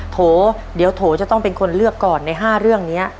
โถเดี๋ยวโถจะต้องเป็นคนเลือกก่อนใน๕เรื่องนี้